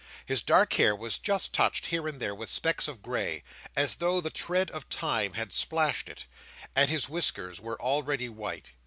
His dark hair was just touched here and there with specks of gray, as though the tread of Time had splashed it; and his whiskers were already white.